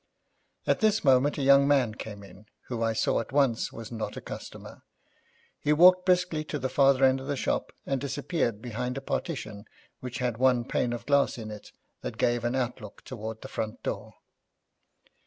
At this moment a young man came in, who, I saw at once, was not a customer. He walked briskly to the farther end of the shop, and disappeared behind a partition which had one pane of glass in it that gave an outlook towards the front door.